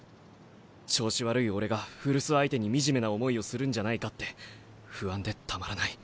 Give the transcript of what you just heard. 調子悪い俺が古巣相手に惨めな思いをするんじゃないかって不安でたまらない。